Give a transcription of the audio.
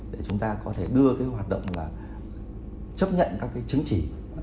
để chúng ta có thể đưa hoạt động là chấp nhận các chứng chỉ